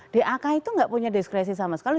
dak itu nggak punya diskresi sama sekali